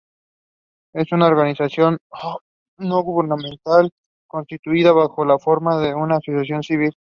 Es una organización no gubernamental, constituida bajo la forma de una asociación civil.